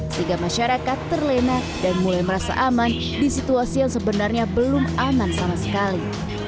sehingga masyarakat terlena dan mulai merasa aman di situasi yang sebenarnya belum aman sama sekali